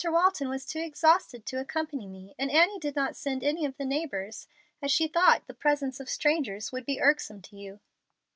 Walton was too exhausted to accompany me, and Annie did not send any of the neighbors, as she thought the presence of strangers would be irksome to you."